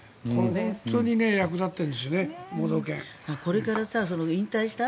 本当に役立っているんですよね